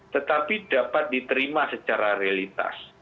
tetapi dapat diterima secara realitas